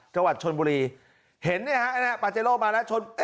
จังหวัดชนบุรีเห็นเนี่ยฮะปาเจโร่มาแล้วชน